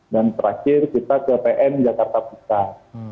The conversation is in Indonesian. dan terakhir kita ke pn jakarta pekar